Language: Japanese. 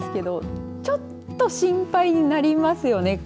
ちょっと心配になりますよね。